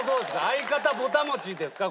相方ぼた餅ですか？